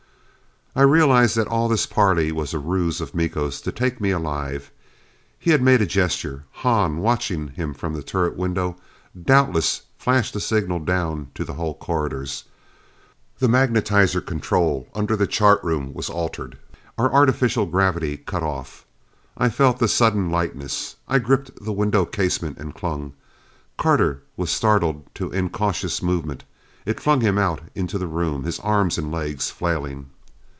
I realized that all this parley was a ruse of Miko's to take me alive. He had made a gesture. Hahn, watching him from the turret window, doubtless flashed a signal down to the hull corridors. The magnetizer control under the chart room was altered, our artificial gravity cut off. I felt the sudden lightness: I gripped the window casement and clung. Carter was startled into incautious movement. It flung him out into the room, his arms and legs flailing.